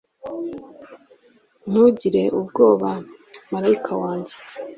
ntugire ubwoba marayika wanjye